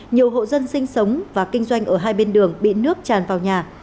nhiều hộ dân sinh sống và kinh doanh ở hai bên đường bị nước tràn vào nhà